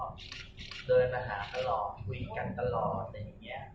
เดินมาหาควณรอบทีวีกันตลอดอะไรอย่างเงี้ย